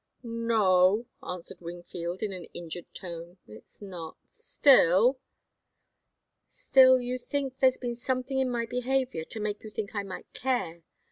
"No," answered Wingfield, in an injured tone. "It's not. Still " "Still, you think there's been something in my behaviour to make you think I might care?